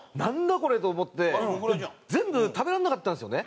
これと思って全部食べられなかったんですよね